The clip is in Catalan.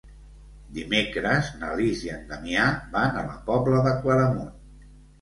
Dimecres na Lis i en Damià van a la Pobla de Claramunt.